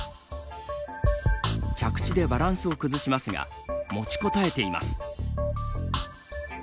着地でバランスを崩しますが持ちこたえています。